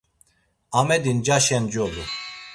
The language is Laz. Amedi ncaşen colu.